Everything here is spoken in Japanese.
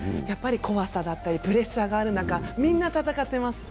怖さだったりプレッシャーがある中、みんな戦ってます。